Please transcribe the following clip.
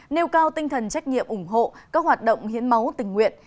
nêu cao tinh thần trách nhiệm ủng hộ các hoạt động hiến máu tình nguyện